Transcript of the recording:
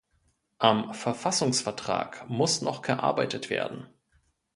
Am Verfassungsvertrag muss noch gearbeitet werden.